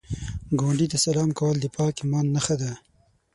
ګاونډي ته سلام کول د پاک ایمان نښه ده